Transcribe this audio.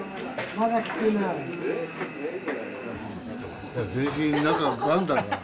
まだ来てない。